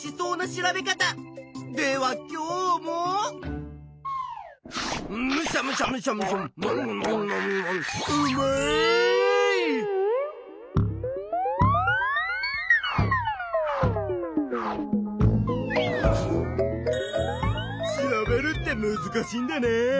調べるってむずかしいんだな。